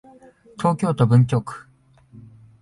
東京都文京区